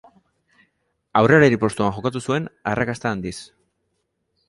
Aurrelari postuan jokatu zuen arrakasta handiz.